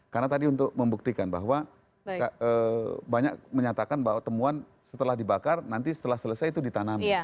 karena tadi untuk membuktikan bahwa banyak menyatakan bahwa temuan setelah dibakar nanti setelah selesai itu ditanam